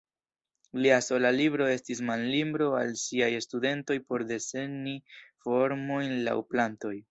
Lia sola libro estis manlibro al siaj studentoj por desegni formojn laŭ plantoj.